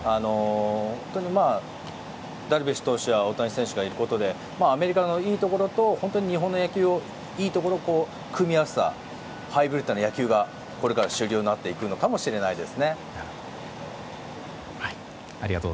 本当に、ダルビッシュ投手や大谷選手がいることでアメリカのいいところと日本の野球のいいところを組み合わせたハイブリッドな野球がこれからの主流になっていくのかもしれないです。